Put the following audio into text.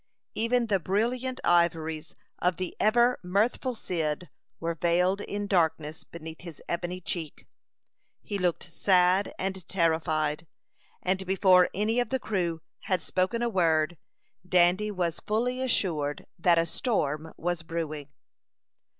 Even the brilliant ivories of the ever mirthful Cyd were veiled in darkness beneath his ebony cheek. He looked sad and terrified, and before any of the crew had spoken a word, Dandy was fully assured that a storm was brewing.